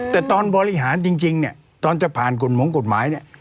แต่ตอนบริหารจริงเนี่ยตอนจะผ่านกฎหมงกฎหมายเนี่ย